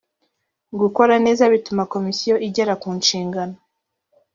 gukora neza bituma komisiyo igera ku nshingano